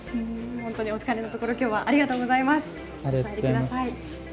本当にお疲れのところ今日はありがとうございます。